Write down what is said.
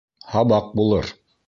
Һабаҡ булыр!